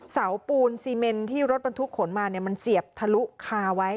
เสาปูนซีเมนที่รถบรรทุกขนมาเนี่ยมันเสียบทะลุคาไว้